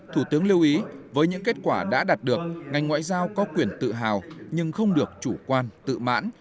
thủ tướng lưu ý với những kết quả đã đạt được ngành ngoại giao có quyền tự hào nhưng không được chủ quan tự mãn